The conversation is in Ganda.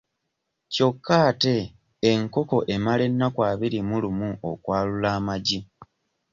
Kyokka ate enkoko emala ennaku abiri mu lumu okwalula amagi.